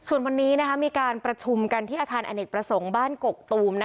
ส่วนวันนี้มีการประชุมกันที่อาคารอเนกประสงค์บ้านกกตูม